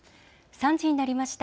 ３時になりました。